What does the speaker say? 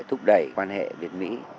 để thúc đẩy quan hệ việt mỹ